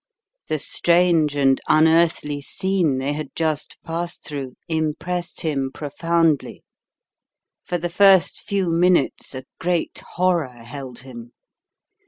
The strange and unearthly scene they had just passed through impressed him profoundly. For the first few minutes a great horror held him.